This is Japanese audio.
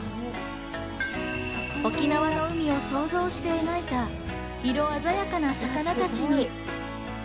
沖縄の海を想像して描いた色鮮やかな魚たち。